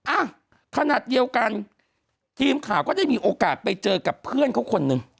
อ่ะขนาดเดียวกันทีมข่าวก็ได้มีโอกาสไปเจอกับเพื่อนเขาคนหนึ่ง